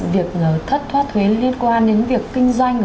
việc thất thoát thuế liên quan đến việc kinh doanh